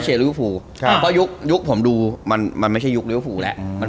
จริงเป็นขี้ค้ายเหมือนกัน